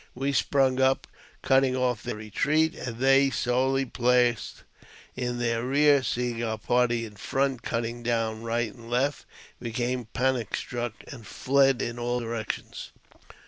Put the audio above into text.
We sprung up, cutting off their retreat, and they, sorely pressed in their rear, seeing our party in front cutting down right and left, became panic struck, and fled in all directions.